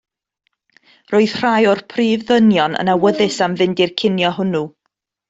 Roedd rhai o'r prif ddynion yn awyddus am fynd i'r cinio hwnnw.